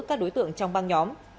các đối tượng trong băng nhóm